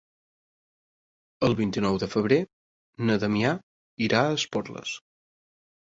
El vint-i-nou de febrer na Damià irà a Esporles.